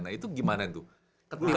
nah itu gimana tuh